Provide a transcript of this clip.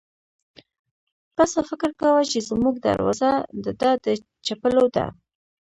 پسه فکر کاوه چې زموږ دروازه د ده د چپلو ده.